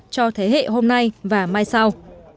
cho thế hệ hôm nay và mai sau